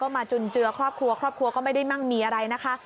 มาจุนเจือครอบครัวครอบครัวก็ไม่ได้มั่งมีอะไรนะคะ